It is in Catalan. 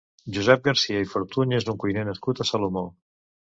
Josep Garcia i Fortuny és un cuiner nascut a Salomó.